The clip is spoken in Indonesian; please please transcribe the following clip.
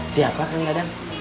siapa kang dadang